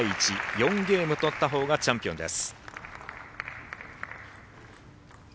４ゲーム取った方がチャンピオンです。